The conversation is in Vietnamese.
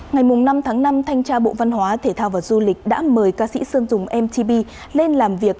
ngày năm tháng năm thanh tra bộ văn hóa thể thao và du lịch đã mời ca sĩ sơn dùng mtb lên làm việc